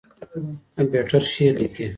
کمپيوټر شعر ليکي.